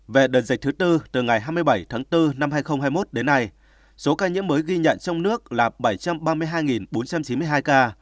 về đợt dịch thứ tư từ ngày hai mươi bảy tháng bốn năm hai nghìn hai mươi một đến nay số ca nhiễm mới ghi nhận trong nước là bảy trăm ba mươi hai bốn trăm chín mươi hai ca